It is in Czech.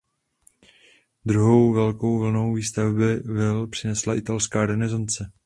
Druhou velkou vlnu výstavby vil přinesla italská renesance.